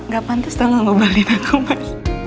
gak pantas dong ngebahalin aku mas